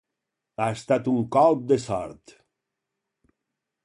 Ha estat un colp de sort.